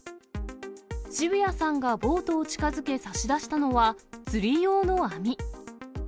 澁谷さんがボートを近づけ差し出したのは、釣り用の網。